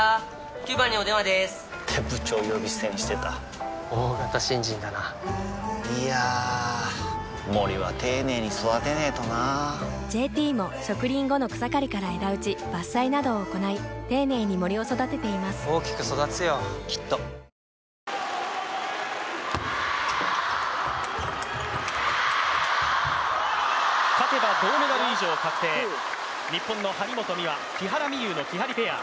９番にお電話でーす！って部長呼び捨てにしてた大型新人だないやー森は丁寧に育てないとな「ＪＴ」も植林後の草刈りから枝打ち伐採などを行い丁寧に森を育てています大きく育つよきっと勝てば銅メダル以上確定、日本の張本美和、木原美悠のキハリペア。